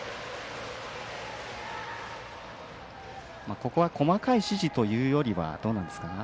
ここは細かい指示というよりはどうなんでしょうか。